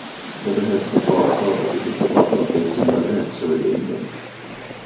Leatherhead Football Club is a football club based in Leatherhead, Surrey, England.